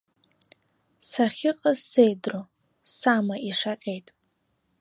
Сахьыҟаз сеидру, сама ишаҟьеит.